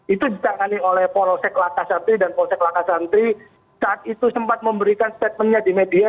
itu ditangani oleh polsek lakasantri dan polsek lakasantri saat itu sempat memberikan statementnya di media